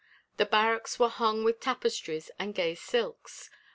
The barracks were hung with tapestries and gay silks.